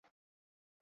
P R ধরনের robot.